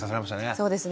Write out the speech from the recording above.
そうですね。